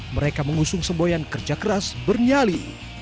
mereka mengusung semboyan kerja keras bernyali